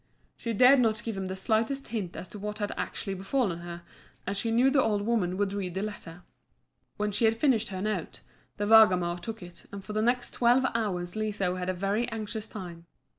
She dared not give him the slightest hint as to what had actually befallen her, as she knew the old woman would read the letter. When she had finished her note, the Vargamor took it, and for the next twelve hours Liso had a very anxious time.